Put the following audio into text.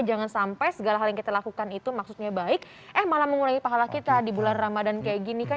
jangan sampai segala hal yang kita lakukan itu maksudnya baik eh malah mengurangi pahala kita di bulan ramadhan kayak gini kan